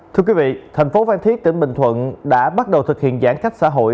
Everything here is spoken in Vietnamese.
thưa quý vị thành phố phan thiết tỉnh bình thuận đã bắt đầu thực hiện giãn cách xã hội